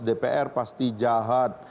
dpr pasti jahat